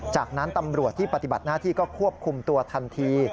จากนั้นตำรวจที่ปฏิบัติหน้าที่ก็ควบคุมตัวทันที